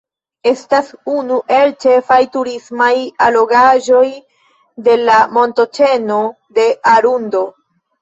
Estas unu el ĉefaj turismaj allogaĵoj de la Montoĉeno de Arundo.